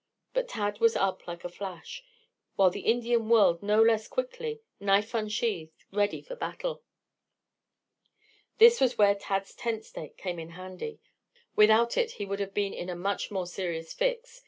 But Tad was up like a flash, while the Indian whirled no less quickly, knife unsheathed, ready for battle. This was where Tad's tent stake came in handy. Without it he would have been in a much more serious fix.